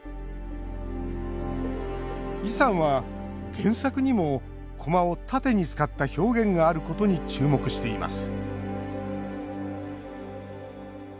イさんは原作にもコマを縦に使った表現があることに注目しています